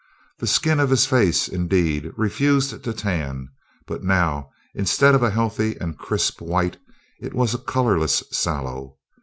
The skin of his face, indeed, refused to tan, but now, instead of a healthy and crisp white it was a colorless sallow.